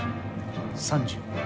３０。